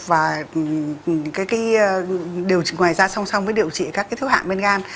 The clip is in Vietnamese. và điều trị ngoài ra song song với điều trị các thứ hạng men gan